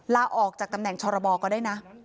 ลาออกจากตำแหน่งชรบก็ได้นะ